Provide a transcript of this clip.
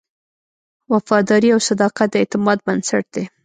وفاداري او صداقت د اعتماد بنسټ دی.